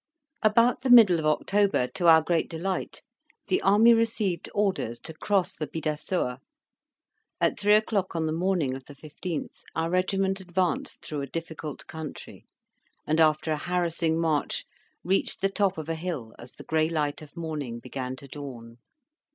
About the middle of October, to our great delight, the army received orders to cross the Bidassoa. At three o'clock on the morning of the 15th our regiment advanced through a difficult country, and, after a harassing march, reached the top of a hill as the gray light of morning began to dawn.